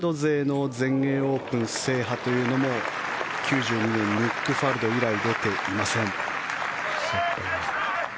イングランド勢の全英オープン制覇というのも９２年、ニック・ファルド以来出ていません。